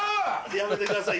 やめてください。